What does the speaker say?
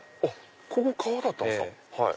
ここ川だったんですか。